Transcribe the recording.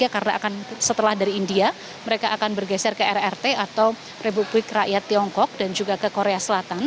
karena akan setelah dari india mereka akan bergeser ke rrt atau republik rakyat tiongkok dan juga ke korea selatan